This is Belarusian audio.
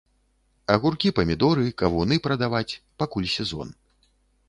Агуркі-памідоры, кавуны прадаваць, пакуль сезон.